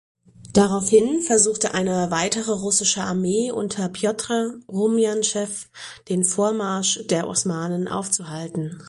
Daraufhin versuchte eine weitere russische Armee unter Pjotr Rumjanzew den Vormarsch der Osmanen aufzuhalten.